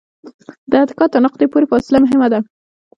د اتکا تر نقطې پورې فاصله مهمه ده.